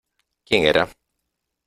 ¿ quién era ?